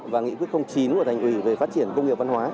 và nghị quyết chín của thành ủy về phát triển công nghiệp văn hóa